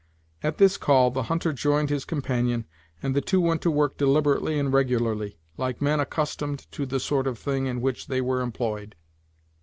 At this call the hunter joined his companion, and the two went to work deliberately and regularly, like men accustomed to the sort of thing in which they were employed.